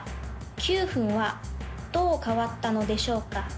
九はどう変わったのでしょうか？